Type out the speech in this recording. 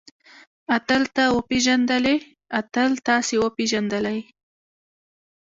اتل تۀ وپېژندلې؟ اتل تاسې وپېژندلئ؟